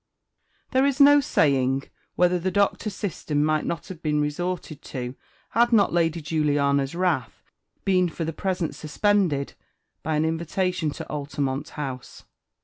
THERE is no saying whether the Doctor's system might not have been resorted to had not Lady Juliana's wrath been for the present suspended by an invitation to Altamont House.